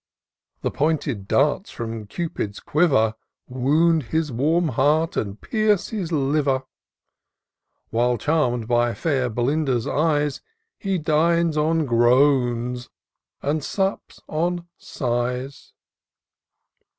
The pointed darts from Cupid's quiver Woimd his warm heart, and pierce his liver ; While, charm'd by fair Belinda's eyes. He dines on groans, and sups on sighs.